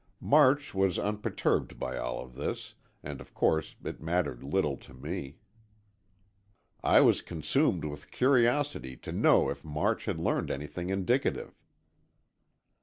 March was unperturbed by all this and of course it mattered little to me. I was consumed with curiosity to know if March had learned anything indicative.